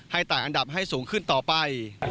ต่างอันดับให้สูงขึ้นต่อไป